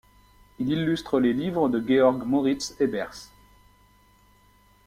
Il illustre les livres de Georg Moritz Ebers.